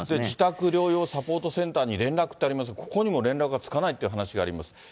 自宅療養サポートセンターに連絡ってありますが、ここにも連絡がつかないっていう話もあります。